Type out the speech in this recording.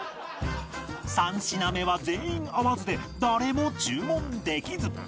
３品目は全員合わずで誰も注文できず